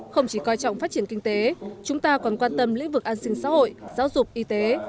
không chỉ coi trọng phát triển kinh tế chúng ta còn quan tâm lĩnh vực an sinh xã hội giáo dục y tế